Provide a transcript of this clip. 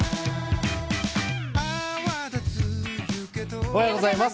おはようございます。